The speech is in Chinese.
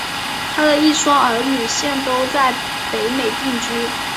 她的一双儿女现都在北美定居。